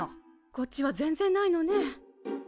こっちは全然ないのね。